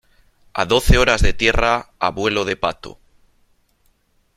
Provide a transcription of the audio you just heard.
a doce horas de tierra a vuelo de pato .